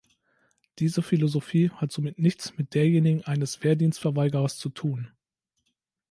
Diese Philosophie hat somit nichts mit derjenigen eines Wehrdienstverweigerers zu tun.